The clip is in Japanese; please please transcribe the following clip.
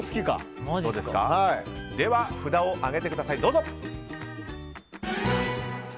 では札を上げてください。